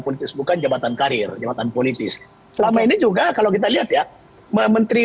politis bukan jabatan karir jabatan politis selama ini juga kalau kita lihat ya menteri